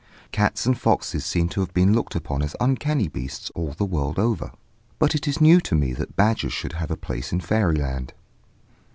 Cats and foxes seem to have been looked upon as uncanny beasts all the world over; but it is new to me that badgers should have a place in fairy land.